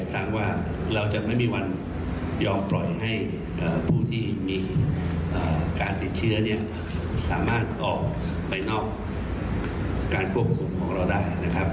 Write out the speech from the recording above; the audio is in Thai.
ทางว่าเราจะไม่มีวันยอมปล่อยให้ผู้ที่มีการติดเชื้อเนี่ยสามารถออกไปนอกการควบคุมของเราได้นะครับ